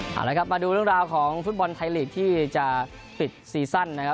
เอาละครับมาดูเรื่องราวของฟุตบอลไทยลีกที่จะปิดซีซั่นนะครับ